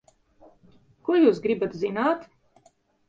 Ko jūs gribat zināt?